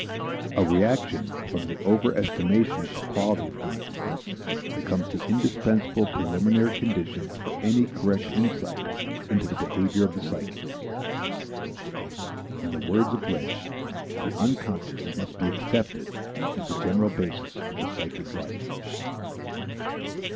A reaction from the over estimation of the quality of consciousness becomes the indispensable preliminary condition for any correct insight into the behavior of the psychic. In the words of Lipps, the unconscious must be accepted as the general basis of the psychic life.